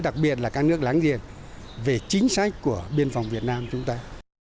đặc biệt là các nước láng giềng về chính sách của biên phòng việt nam chúng ta